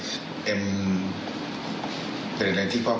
หีพี่ให้พูด